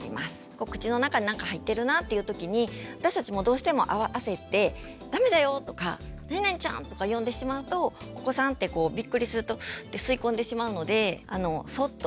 お口の中に何か入ってるなっていう時に私たちもどうしても焦って「ダメだよ！」とか「なになにちゃん！」とか呼んでしまうとお子さんってビックリするとスッて吸い込んでしまうのでそうっと